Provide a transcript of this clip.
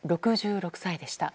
６６歳でした。